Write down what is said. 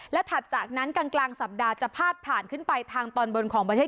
และถัดจากนั้นกลางสัปดาห์จะพาดผ่านขึ้นไปทางตอนบนของประเทศ